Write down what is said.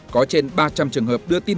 có trên ba trăm linh trường hợp đưa tin